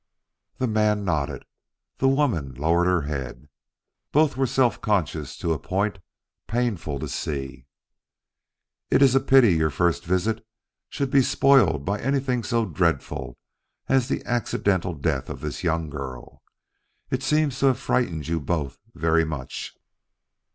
The man nodded; the woman lowered her head. Both were self conscious to a point painful to see. "It is a pity your first visit should be spoiled by anything so dreadful as the accidental death of this young girl. It seems to have frightened you both very much."